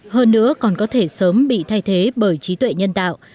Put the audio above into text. hơn nữa còn có thể sớm bị thay thế bởi trí tuệ nhân tạo